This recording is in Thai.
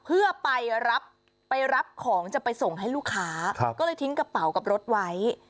เพื่อไปรับไปรับของจะไปส่งให้ลูกค้าก็เลยทิ้งกระเป๋ากับรถไว้